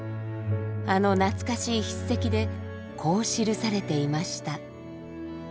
あの懐かしい筆跡でこう記されていました。